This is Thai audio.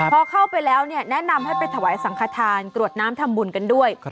พอเข้าไปแล้วแนะนำให้ไปถวายสังขทานกรวดน้ำทำบุญกันด้วย